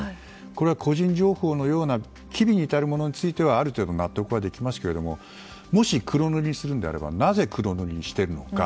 これは個人情報のような機微に至る部分についてはある程度、納得はできますがもし黒塗りにするのであればなぜ黒塗りにしているのか。